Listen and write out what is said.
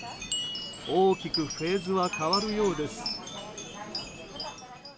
大きくフェーズは変わるようです。